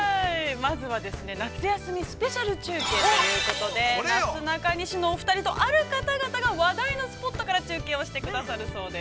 ◆まずは、夏休みスペシャル中継ということで、なすなかにしのお二人とある方々が話題のスポットから中継をしてくださるそうです。